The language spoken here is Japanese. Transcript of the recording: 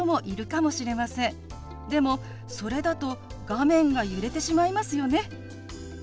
でもそれだと画面が揺れてしまいますよね。